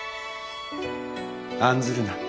案ずるな。